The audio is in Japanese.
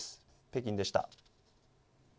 北京でした。